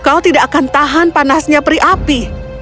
kau tidak akan tahan panasnya peri api